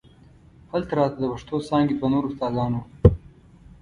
هلته راته د پښتو څانګې دوه نور استادان وو.